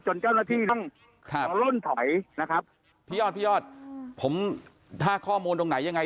เจ้าหน้าที่ต้องล่นถอยนะครับพี่ยอดพี่ยอดผมถ้าข้อมูลตรงไหนยังไง